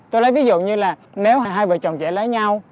tôi nói ví dụ như là nếu hai vợ chồng trẻ lấy nhau